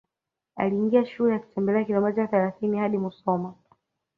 Aliingia shule akitembea kilomita thelathini hadi Musoma